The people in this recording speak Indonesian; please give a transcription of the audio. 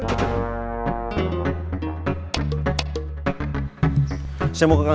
kamu sibuk amat ngobrolin warung